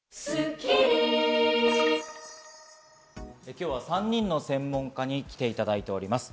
今日は３人の専門家に来ていただいております。